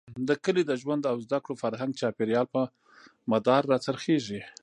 د کلي د ژوند او زده کړو، فرهنګ ،چاپېريال، په مدار را څرخېږي.